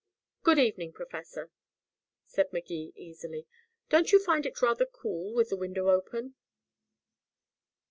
"Good evening, Professor," said Magee easily. "Don't you find it rather cool with the window open?"